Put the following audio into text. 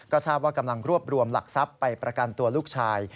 ก็ทราบว่ากำลังรวบรวมหลักทรัพย์ไปประกันตัวลูกชาย